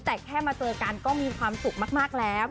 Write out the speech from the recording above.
แต่แค่มาเจอกันก็มีความสุขมากแล้ว